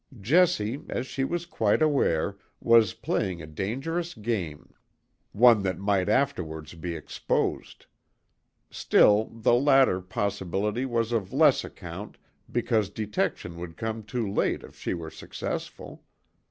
Jessie, as she was quite aware, was playing a dangerous game; one that might afterwards be exposed. Still, the latter possibility was of less account because detection would come too late if she were successful.